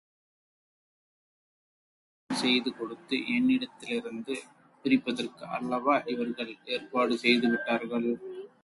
யாப்பியாயினியைத் திருமணம் செய்து கொடுத்து என்னிடத்திலிருந்து பிரிப்பதற்கு அல்லவா இவர்கள் ஏற்பாடு செய்து விட்டார்கள்.